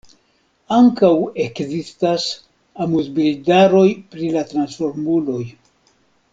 Ankaŭ ekzistas amuzbildaroj pri la Transformuloj.